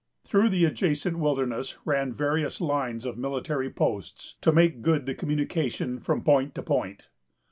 Through the adjacent wilderness ran various lines of military posts, to make good the communication from point to point.